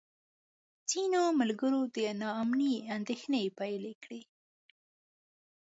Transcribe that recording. ځینو ملګرو د نا امنۍ اندېښنې پیل کړې.